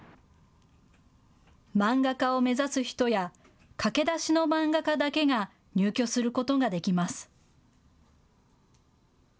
漫画家を目指す人や駆け出しの漫画家だけが入居することができます。